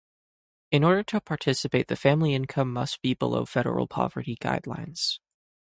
In order to participate the family income must be below federal poverty guidelines.